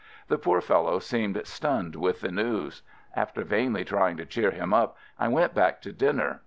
The poor fellow seemed stunned with the news. After vainly try ing to cheer him up, I went back to din ner.